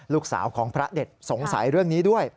ลูกสาวของพระเด็ดสงสัยเรื่องนี้ด้วย